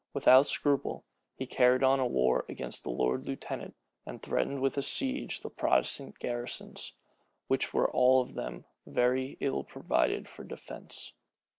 Without scruple, he carried on war against the lord lieutenant, and threatened with a siege the Protestant garrisons, which were all of them very ill provided for defence.